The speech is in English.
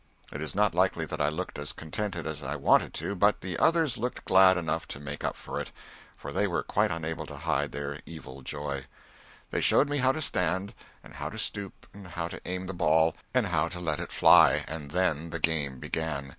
It is not likely that I looked as contented as I wanted to, but the others looked glad enough to make up for it, for they were quite unable to hide their evil joy. They showed me how to stand, and how to stoop, and how to aim the ball, and how to let fly; and then the game began.